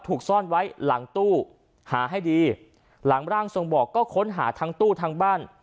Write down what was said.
ถูกซ่อนไว้หลังตู้หาให้ดีหลังบอกก็ค้นหาทั้งตู้ทางบ้าน